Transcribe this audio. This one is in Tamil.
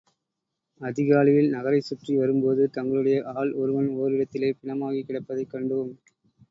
அதிகாலையில் நகரைச் சுற்றி வரும்போது தங்களுடைய ஆள் ஒருவன் ஓரிடத்திலே பிணமாகிக் கிடப்பதைக் கண்டோம்.